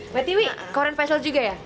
mbak tiwi korean facial juga ya